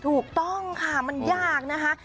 ถูกต้องค่ะมันยากนะคะ